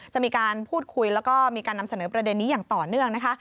จะมีการพูดคุยแล้วก็มีการนำเสนอประเด็นนี้อย่างต่อเนื่องนะคะ